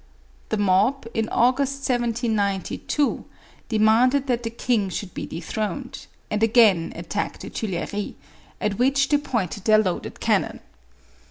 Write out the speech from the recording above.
The mob, in August, 1792, de MARIE ANTOINETTE. 467 manded that the king should be dethroned, and again attacked the Tuileries, at which they pointed their loaded cannon.